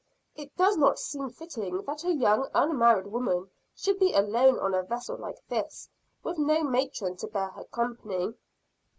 "It does not seem fitting that a young unmarried woman should be alone on a vessel like this, with no matron to bear her company."